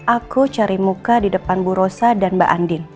aku cari muka di depan bu rosa dan mbak andin